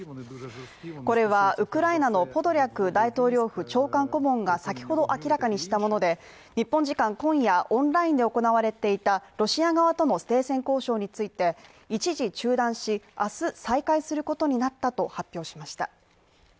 これはウクライナのポドリャク大統領府長官顧問が先ほど明らかにしたもので、日本時間今夜、オンラインで行われていたロシア側との停戦交渉について、一時中断し明日再開することになったと発表しました。